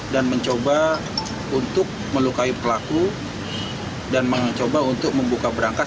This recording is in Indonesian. dan mencoba untuk melukai pelaku dan mencoba untuk membuka berangkas